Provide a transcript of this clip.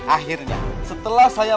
akhirnya setelah saya